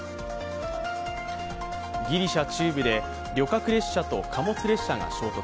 ギリシャ中部で旅客列車と貨物列車が衝突。